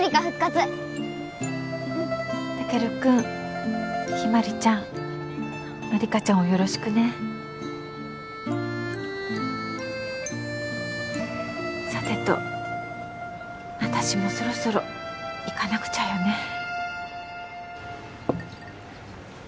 復活うんタケルくんヒマリちゃん万理華ちゃんをよろしくねさてと私もそろそろ行かなくちゃよね